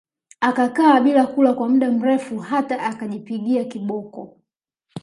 Akakaa bila kula kwa mda mrefu hata akajipiga kiboko